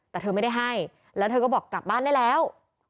แต่เธอไม่ได้ให้แล้วเธอก็บอกกลับบ้านได้แล้ว